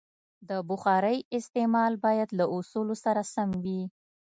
د بخارۍ استعمال باید له اصولو سره سم وي.